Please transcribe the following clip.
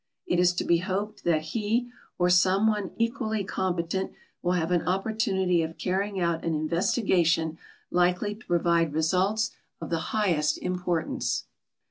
It is to be hoped tliat lie or some one equally coniju' tent will have an opportunity of earrying out an investigation likely to provide results of the highest importance.